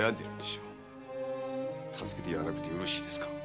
助けてやらなくてよろしいですか。